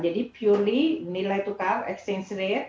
jadi purely nilai tukar exchange rate